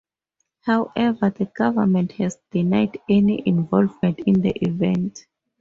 However, the government has denied any involvement in the event.